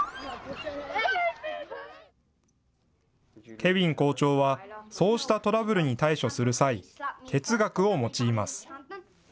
ケヴィン校長は、そうしたトラブルに対処する際、哲学を用います。